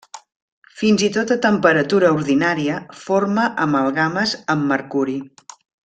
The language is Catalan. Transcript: Fins i tot a temperatura ordinària forma amalgames amb mercuri.